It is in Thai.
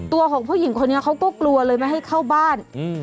ของผู้หญิงคนนี้เขาก็กลัวเลยไม่ให้เข้าบ้าน